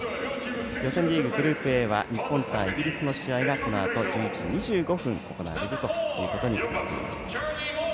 予選リーグ、グループＡは日本対イギリスの試合がこのあと１１時２５分行われることになっています。